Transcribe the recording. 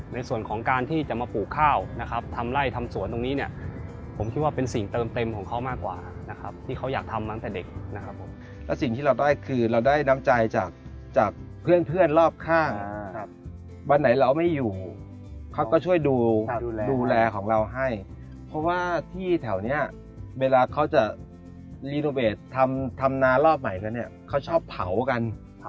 ในส่วนของการที่จะมาปลูกข้าวนะครับทำไล่ทำสวนตรงนี้เนี่ยผมคิดว่าเป็นสิ่งเติมเต็มของเขามากกว่านะครับที่เขาอยากทำมาตั้งแต่เด็กนะครับผมแล้วสิ่งที่เราได้คือเราได้น้ำใจจากจากเพื่อนเพื่อนรอบข้างวันไหนเราไม่อยู่เขาก็ช่วยดูแลดูแลของเราให้เพราะว่าที่แถวเนี้ยเวลาเขาจะรีโนเวททำนารอบใหม่แล้วเนี่ยเขาชอบเผากัน